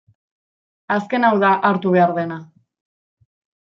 Azken hau da hartu behar dena.